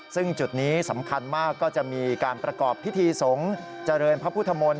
ซึ่งจุดนี้สำคัญมากก็จะมีการประกอบพิธีสงฆ์เจริญพระพุทธมนตร์